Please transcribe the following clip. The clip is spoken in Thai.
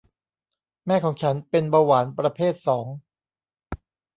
แม่ของฉันเป็นเบาหวานประเภทสอง